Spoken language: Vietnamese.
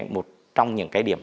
một trong những cái điểm